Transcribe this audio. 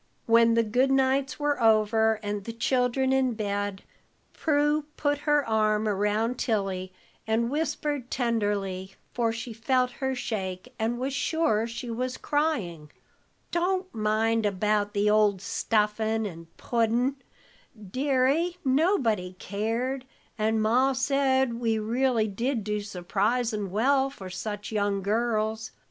When the good nights were over, and the children in bed, Prue put her arm around Tilly and whispered tenderly, for she felt her shake, and was sure she was crying: "Don't mind about the old stuffin' and puddin', deary nobody cared, and Ma said we really did do surprisin' well for such young girls."